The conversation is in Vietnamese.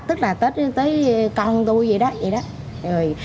tức là tới con tôi vậy đó